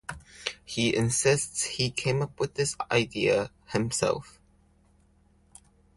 He insists he came up with this idea himself.